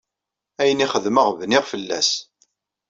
Ayen i xedmeɣ, bniɣ fell-as.